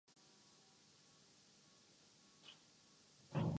دنیا نے اس راز کو جان لیا ہے۔